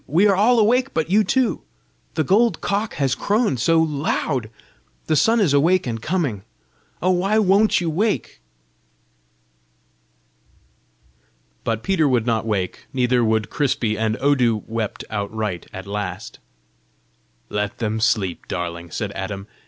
We are all awake but you two! The gold cock has crown SO loud! The sun is awake and coming! Oh, why WON'T you wake?" But Peter would not wake, neither would Crispy, and Odu wept outright at last. "Let them sleep, darling!" said Adam.